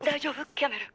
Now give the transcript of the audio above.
キャメル。